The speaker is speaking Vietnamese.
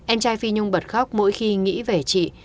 em trai phi nhung bật khóc mỗi khi nghĩ về chị